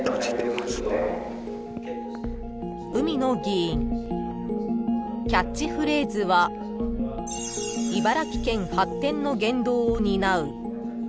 ［海野議員キャッチフレーズは「茨城県発展の原動を担う！！」］